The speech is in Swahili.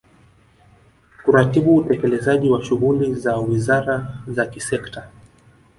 kuratibu utekelezaji wa shughuli za wizara za kisekta